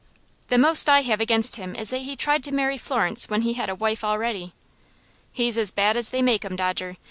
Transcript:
"The most I have against him is that he tried to marry Florence when he had a wife already." "He's as bad as they make 'em, Dodger.